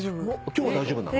今日は大丈夫なの？